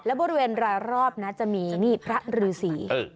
แล้วบริเวณรอบจะมีนี่พระฤาษี